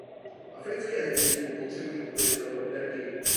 Africké země nyní potřebují obnovitelnou energii.